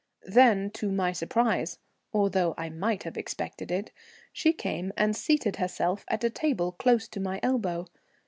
Then, to my surprise, although I might have expected it, she came and seated herself at a table close to my elbow.